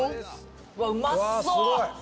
うわっうまそう！